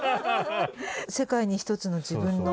世界に一つの自分の。